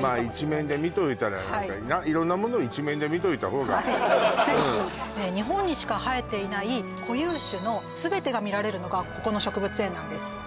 まあ一面で見といたら色んなものを一面で見といたほうが日本にしか生えていない固有種の全てが見られるのがここの植物園なんです